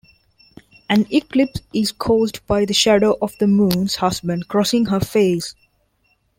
An eclipse is caused by the shadow of the moon's husband crossing her face.